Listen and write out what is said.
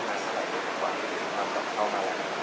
แล้วน้านเมื่อเดียวกับเป็นการเข้ามาเลย